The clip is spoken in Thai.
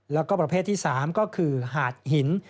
แล้วก็ประเภทที่๓ก็คือหาดหิน